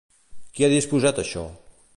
Qui ha disposat això?